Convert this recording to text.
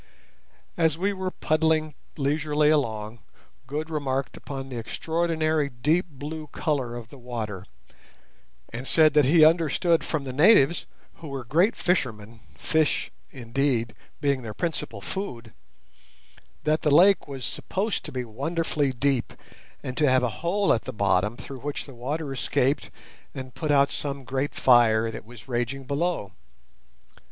As we were paddling leisurely along Good remarked upon the extraordinary deep blue colour of the water, and said that he understood from the natives, who were great fishermen—fish, indeed, being their principal food—that the lake was supposed to be wonderfully deep, and to have a hole at the bottom through which the water escaped and put out some great fire that was raging below.